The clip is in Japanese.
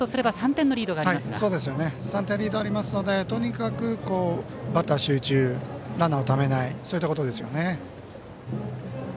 ３点リードありますのでとにかく、バッター集中ランナーをためないことです。